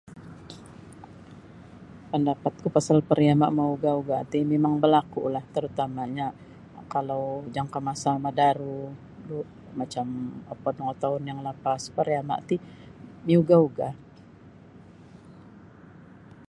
Pandapatku pasal pariama mauga-uga ti mimang balaku lah terutamanya kalau jangka masa madaru macam apat limo ngotaun yang lapas pariama ti miuga-uga